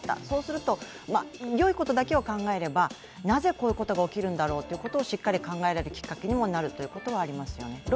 そうすると良いことだけを考えれば、なぜこういうことが起きるんだろうとしっかり考えるきっかけにもなるということもありますよね。